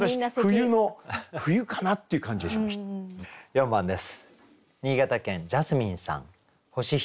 ４番です。